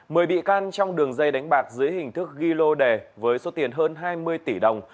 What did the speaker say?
mờ bị can trong đường dây đánh bạc dưới hình thức ghi lô đề với số tiền hơn hai mươi tỷ đồng